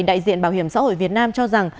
đại diện bảo hiểm xã hội việt nam cho rằng